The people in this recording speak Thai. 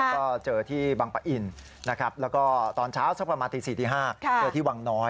ก็เจอที่บังปะอินนะครับแล้วก็ตอนเช้าสักประมาณตี๔ตี๕เจอที่วังน้อย